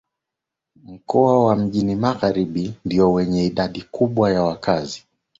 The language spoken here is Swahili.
Mkoa wa mjini magharibi ndio wenye idadi kubwa ya wakazi